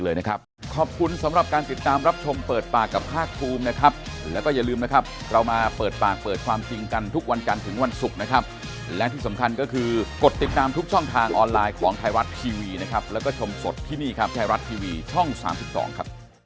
อย่าให้เกิดขึ้นอีกเลยนะครับ